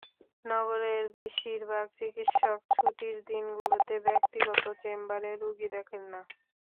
নগরের বেশির ভাগ চিকিৎসক ছুটির দিনগুলোতে ব্যক্তিগত চেম্বারে রোগী দেখেন না।